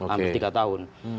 ambil tiga tahun